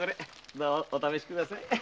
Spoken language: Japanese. どうぞお試しください。